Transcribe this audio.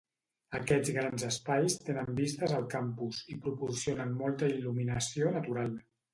Aquests grans espais tenen vistes al campus, i proporcionen molta il·luminació natural.